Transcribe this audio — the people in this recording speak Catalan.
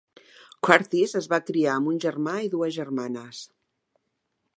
Curtis es va criar amb un germà i dues germanes.